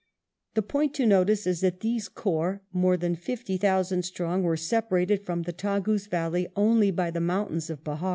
The point to notice is that these corps, more than fifty thousand strong, were separated from the Tagus valley only by the mountains of Bejar.